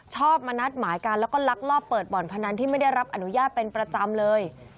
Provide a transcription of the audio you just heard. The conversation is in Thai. ชอบมานัดหมายกันแล้วก็ลักลอบเปิดบ่อนพนันที่ไม่ได้รับอนุญาตเป็นประจำเลย